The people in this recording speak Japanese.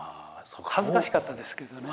恥ずかしかったですけどね。